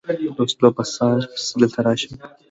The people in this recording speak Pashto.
د وسلو په څار پسې دلته راشي.